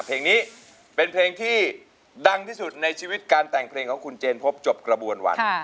เพลงนี้เป็นเพลงที่ดังที่สุดในชีวิตการแต่งเพลงของคุณเจนพบจบกระบวนวัน